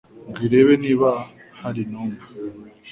ngo irebe niba hari n’umwe